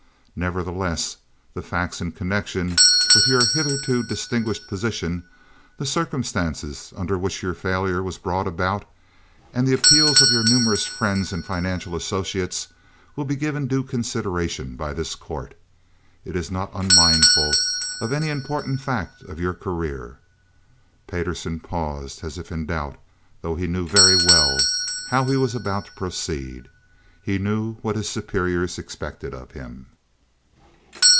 Nevertheless, the facts in connection with your hitherto distinguished position, the circumstances under which your failure was brought about, and the appeals of your numerous friends and financial associates, will be given due consideration by this court. It is not unmindful of any important fact in your career." Payderson paused as if in doubt, though he knew very well how he was about to proceed. He knew what his superiors expected of him.